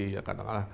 ya tak kalah